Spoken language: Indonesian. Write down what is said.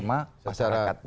satu kesiapan bersama masyarakat